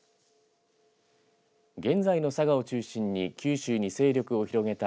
現在の佐賀を中心に九州に勢力を広げた